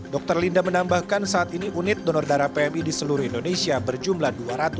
dr linda menambahkan saat ini unit donor darah pmi di seluruh indonesia berjumlah dua ratus